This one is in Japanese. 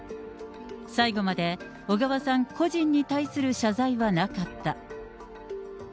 最後まで小川さん個人に対する謝罪はなかった。